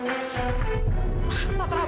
mati berani mati berani